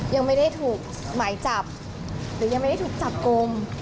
ยังไม่ได้ถูกหมายจับหรือยังไม่ได้ถูกจับกลุ่ม